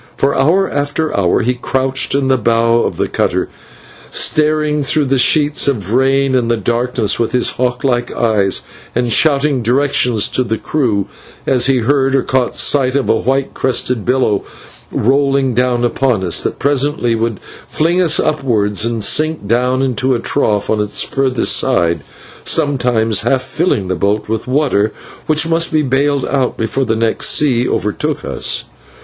For hour after hour he crouched in the bow of the cutter, staring through the sheets of rain and the darkness with his hawk like eyes, and shouting directions to the crew as he heard or caught sight of a white crested billow rolling down upon us, that presently would fling us upwards to sink deep into the trough on its further side, sometimes half filling the boat with water, which must be baled out before the next sea overtook us.